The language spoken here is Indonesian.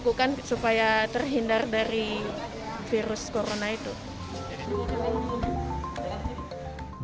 jika peraturan wali kota medan terkait pencegahan covid sembilan belas tidak dipatuhi